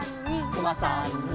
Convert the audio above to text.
「くまさんに」